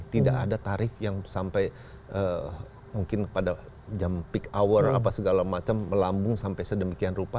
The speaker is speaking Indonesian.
tidak ada tarif yang sampai mungkin pada jam peak hour apa segala macam melambung sampai sedemikian rupa